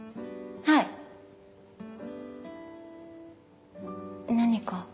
はい。何か？